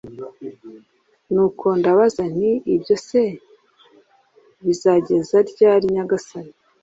Nuko ndabaza nti «Ibyo se bizageza ryari Nyagasani ?»